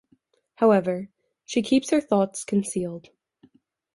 However she keeps her thoughts concealed.